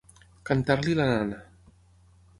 Cantar-li la nana.